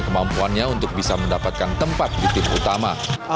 kemampuannya untuk bisa mendapatkan tempat di tim utama